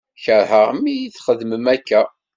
Kerheɣ mi yi-txeddem akka.